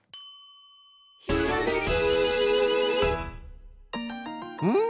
「ひらめき」ん？